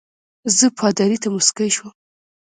زه پادري ته مسکی شوم.